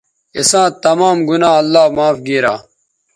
اِساں تمام گنا اللہ معاف گیرا